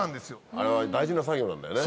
あれは大事な作業なんだよね。